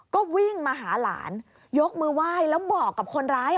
ก็วิ่งมาหาหลานยกมือไหว้แล้วบอกกับคนร้าย